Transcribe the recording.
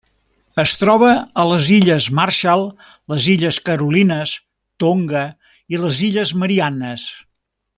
Es troba a les Illes Marshall, les Illes Carolines, Tonga i les Illes Mariannes.